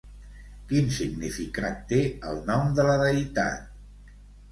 Quin significat té el nom de la deïtat?